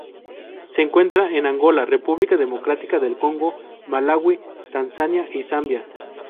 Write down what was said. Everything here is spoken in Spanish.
Se encuentra en Angola, República Democrática del Congo, Malaui, Tanzania y Zambia.